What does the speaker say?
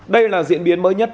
đây là diễn biến mới nhất